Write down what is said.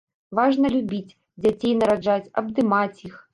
Важна любіць, дзяцей нараджаць, абдымаць іх.